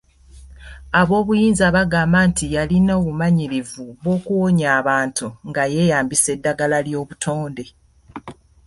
Aboobuyinza bagamba nti yalina obumanyirivu bw'okuwonya abantu nga yeeyambisa eddagala ly'obutonde.